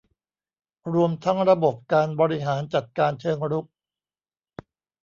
รวมทั้งระบบการบริหารจัดการเชิงรุก